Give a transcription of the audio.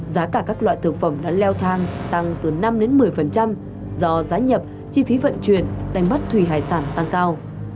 giá cả các loại thực phẩm đã leo thang tăng từ năm một mươi do giá nhập chi phí vận chuyển đánh bắt thủy hải sản tăng cao